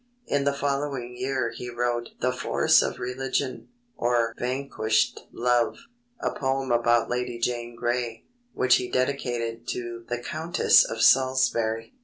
In the following year he wrote The Force of Religion, or Vanquish'd Love, a poem about Lady Jane Grey, which he dedicated to the Countess of Salisbury.